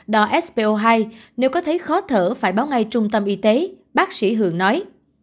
đo spo hai nếu có thấy khó thở phải báo ngay trung tâm y tế bác sĩ hường nói